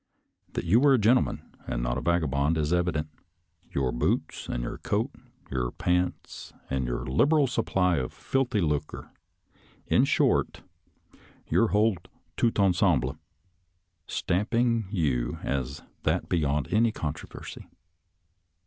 That you were a gentleman and not a vagabond is evident — ^your boots and your coat, your pants and your liberal supply of filthy lucre, in short, your whole tout ensernble, stamping you as that beyond any controversy.